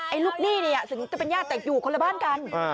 ลูกหนี้เนี่ยถึงจะเป็นญาติแต่อยู่คนละบ้านกัน